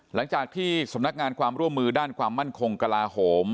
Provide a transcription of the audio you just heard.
หลังจากที่สำนักงานความร่วมมือด้านความมั่นคงกลาโหม